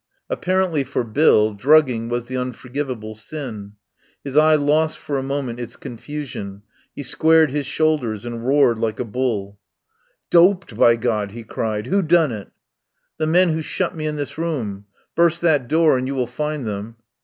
Apparently for Bill drugging was the unforgivable sin. His eye lost for a moment its confusion. He squared his shoulders and roared like a bull. 149 THE POWER HOUSE "Doped, by. God," he cried. "Who done it?" "The men who shut me in this room. Burst that door and you will find them."